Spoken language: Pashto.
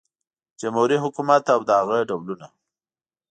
جمهوري حکومت او د هغه ډولونه